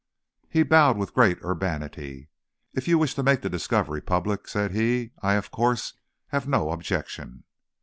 He bowed with great urbanity. "If you wish to make the discovery public," said he, "I, of course, have no objection."